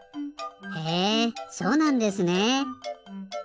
へえそうなんですねえ。